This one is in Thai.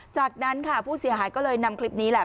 จากนั้นค่ะผู้เสียหายก็เลยนำคลิปนี้แหละ